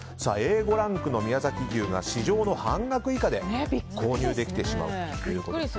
Ａ５ランクの宮崎牛が市場の半額以下で購入できてしまうということです。